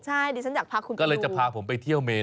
ใช่ดิฉันอยากพาคุณไปก็เลยจะพาผมไปเที่ยวเมน